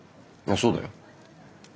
そうだよ。